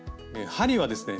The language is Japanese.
針はですね